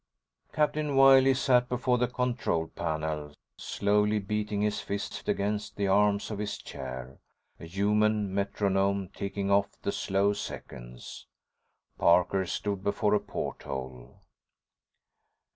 Captain Wiley sat before the control panel, slowly beating his fists against the arms of his chair, a human metronome ticking off the slow seconds. Parker stood before a porthole.